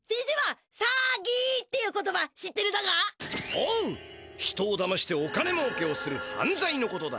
おう人をだましてお金もうけをするはんざいのことだ。